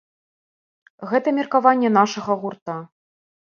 Гэта меркаванне нашага гурта.